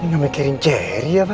ini gak mikirin ceri apa